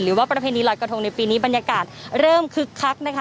ประเพณีลอยกระทงในปีนี้บรรยากาศเริ่มคึกคักนะคะ